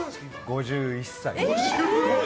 ５１歳。